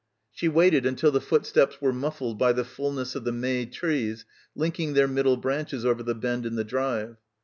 She waited until the footsteps were muffled by the fullness of the may trees linking their middle branches over the bend in the drive.